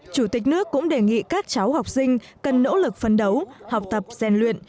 chủ tịch nước cũng đề nghị các cháu học sinh cần nỗ lực phấn đấu học tập rèn luyện